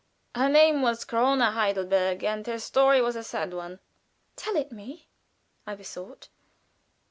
Her name was Corona Heidelberger, and her story was a sad one." "Tell it me," I besought.